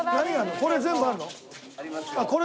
これ全部あるの？